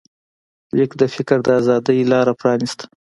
لیک د فکر د ازادۍ لاره پرانسته.